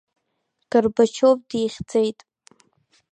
Горбачов дихьӡеит.